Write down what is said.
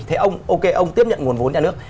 thế ông ok ông tiếp nhận nguồn vốn nhà nước